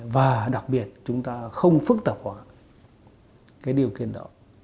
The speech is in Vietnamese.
và đặc biệt chúng ta không phức tạp hóa cái điều kiện đó